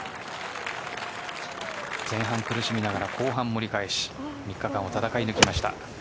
前半、苦しみながら後半、盛り返し３日間を戦い抜きました。